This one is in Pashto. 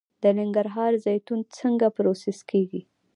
د ننګرهار زیتون څنګه پروسس کیږي؟